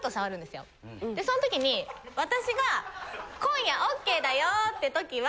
そん時に私が今夜ＯＫだよって時は。